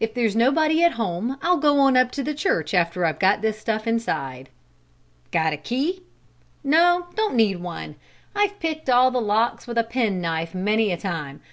"If there's nobody at home I'll go on up to the church after I've got this stuff inside." "Got a key?" "No, don't need one. I've picked all the locks with a penknife many a time.